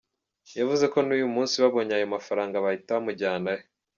Yavuze ko n'uyu munsi babonye ayo mafaranga bahita bamujyanayo.